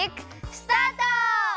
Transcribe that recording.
スタート！